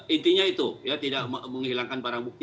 intinya itu ya tidak menghilangkan barang bukti